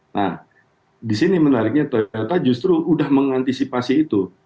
nah disini menariknya toyota justru sudah mengantisipasi itu